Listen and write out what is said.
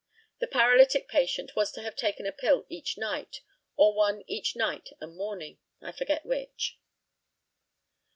The paralytic patient was to have taken a pill each night, or one each night and morning, I forget which.